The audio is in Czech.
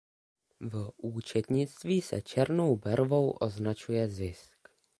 V účetnictví se černou barvou označuje zisk.